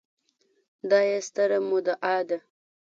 دا يې ستره مدعا ده